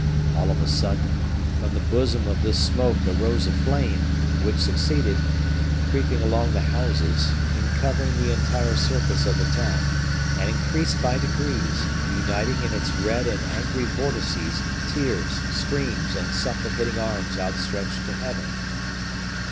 All of a sudden, from the bosom of this smoke arose a flame, which succeeded, creeping along the houses, in covering the entire surface of the town, and increased by degrees, uniting in its red and angry vortices tears, screams, and supplicating arms outstretched to Heaven.